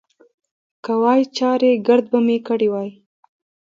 که وای، چارېګرد به مې کړی وای.